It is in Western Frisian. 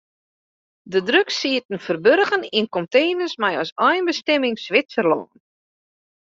De drugs sieten ferburgen yn konteners mei as einbestimming Switserlân.